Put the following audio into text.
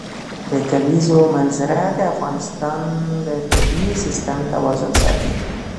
د کلیزو منظره د افغانستان د طبعي سیسټم توازن ساتي.